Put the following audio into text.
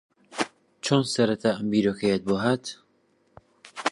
چۆن سەرەتا ئەم بیرۆکەیەت بۆ ھات؟